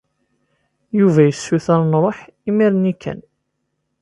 Yuba yessuter ad nṛuḥ imir-nni kan.